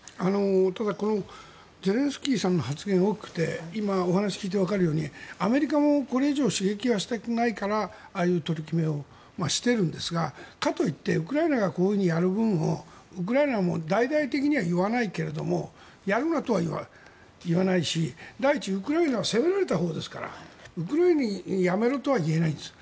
ただこのゼレンスキーさんの発言は大きくて今、お話を聞いてわかるようにアメリカもこれ以上、刺激はしたくないからああいう取り決めをしてるんですがかといって、ウクライナがこういうふうにやる分をウクライナも大々的には言わないけどやるなとは言わないし第一、ウクライナは攻められたほうですからウクライナにやめろとは言えないんです。